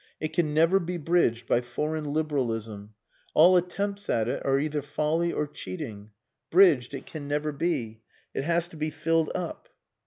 It can never be bridged by foreign liberalism. All attempts at it are either folly or cheating. Bridged it can never be! It has to be filled up."